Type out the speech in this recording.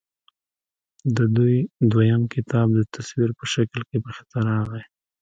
د دوي دويم کتاب د تصوير پۀ شکل کښې مخې ته راغے